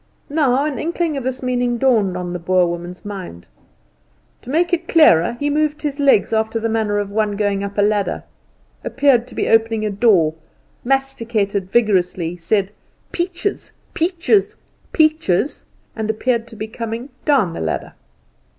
Now an inkling of his meaning dawned on the Boer woman's mind. To make it clearer, he moved his legs after the manner of one going up a ladder, appeared to be opening a door, masticated vigorously, said, "Peaches, peaches, peaches," and appeared to be coming down the ladder.